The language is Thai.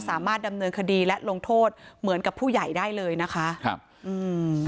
สามารถดำเนินคดีและลงโทษเหมือนกับผู้ใหญ่ได้เลยนะคะครับอืม